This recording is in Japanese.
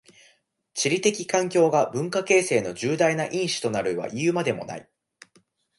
地理的環境が文化形成の重大な因子となるはいうまでもない。